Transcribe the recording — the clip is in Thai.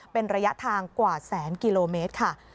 เป็นระยะทางกว่าแสนกิโลเมตรค่ะ